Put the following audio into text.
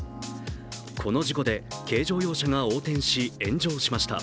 この事故で軽乗用車が横転し、炎上しました。